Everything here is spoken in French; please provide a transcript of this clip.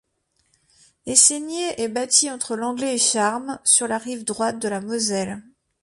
Essegney est bâtie entre Langley et Charmes, sur la rive droite de la Moselle.